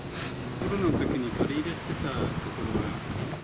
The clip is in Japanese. コロナのときに借り入れしてた所が。